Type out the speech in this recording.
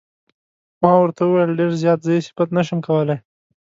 ما ورته وویل: ډېر زیات، زه یې صفت نه شم کولای.